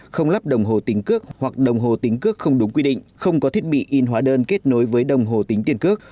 không lắp đồng hồ tính cước hoặc đồng hồ tính cước không đúng quy định không có thiết bị in hóa đơn kết nối với đồng hồ tính tiền cước